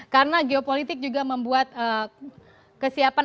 karena geopolitik juga membuat kesiapan